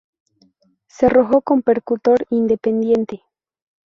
Cerrojo con percutor independiente.